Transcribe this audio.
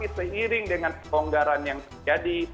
terdiri dengan penggaraan yang terjadi